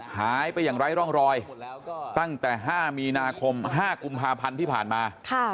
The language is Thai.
หายไปอย่างไร้ร่องรอยตั้งแต่๕มีที่ผ่านมา